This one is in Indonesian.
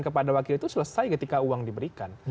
kepada wakil itu selesai ketika uang diberikan